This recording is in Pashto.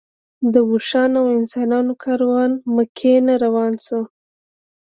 د اوښانو او انسانانو کاروان مکې نه روان شو.